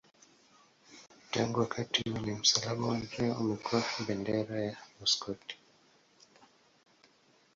Tangu wakati ule msalaba wa Andrea umekuwa bendera ya Uskoti.